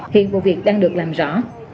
hiện vụ việc đang được làm rõ